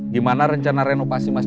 kau mau ke kampus